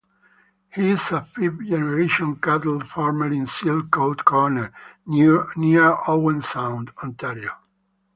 He is a fifth-generation cattle farmer in Silcote Corner, near Owen Sound, Ontario.